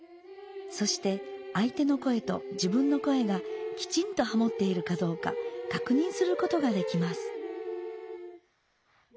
そしてあいての声と自分の声がきちんとハモっているかどうかかくにんすることができます。